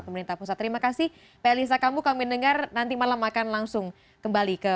pemerintah pusat terima kasih pelisa kamu kami dengar nanti malam makan langsung kembali ke